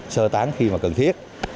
sơ tán khi mà cần thiết